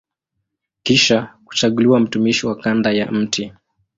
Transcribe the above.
Kisha kuchaguliwa mtumishi wa kanda ya Mt.